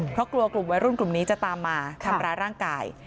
เพราะกลัวกลุ่มวัยรุ่นกลุ่มนี้จะตามมาทำร้ายร่างกาย